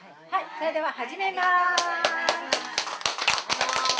それでは始めます。